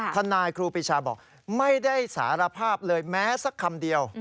ทนายครูปีชาบอกไม่ได้สารภาพเลยแม้สักคำเดียว